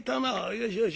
よしよし